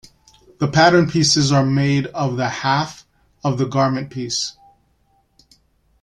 The pattern pieces are made of the half of the garment piece.